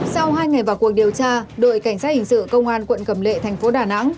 sau hai ngày vào cuộc điều tra đội cảnh sát hình sự công an quận cầm lệ thành phố đà nẵng